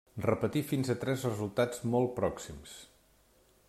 Repetir fins a tres resultats molt pròxims.